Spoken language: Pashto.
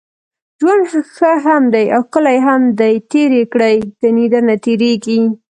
ژوند ښه هم دی اوښکلی هم دی تېر يې کړئ، کني درنه تېريږي